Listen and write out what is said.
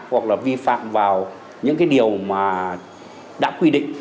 hoặc là vi phạm vào những cái điều mà đã quy định